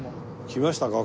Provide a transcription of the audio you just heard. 来ましたか？